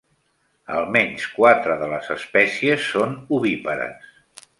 Almenys quatre de les espècies són ovípares.